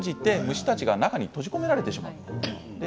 虫たちが中に閉じ込められてしまうんです。